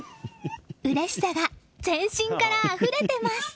うれしさが全身からあふれてます。